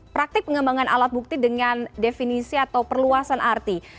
praktik pengembangan alat bukti dengan definisi atau perluasan arti